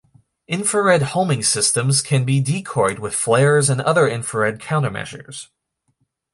Infrared homing systems can be decoyed with flares and other infrared countermeasures.